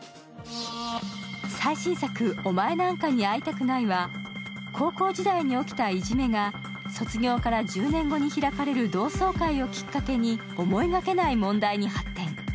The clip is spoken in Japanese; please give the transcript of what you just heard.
最新作「おまえなんかに会いたくない」は高校時代に起きたいじめが、卒業から１０年後に開かれた同窓会をきっかけに思いがけない問題に発展。